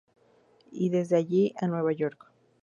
Y desde allí a Nueva York.